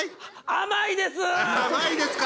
甘いですか！